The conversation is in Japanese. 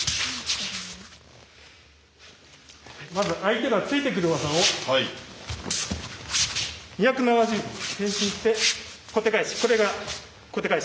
まず相手が突いてくる技を２７０度転身して小手返し。